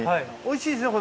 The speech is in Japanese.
おいしいですね